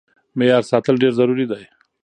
معيار ساتل ډېر ضروري دی.